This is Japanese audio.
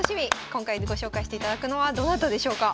今回ご紹介していただくのはどなたでしょうか？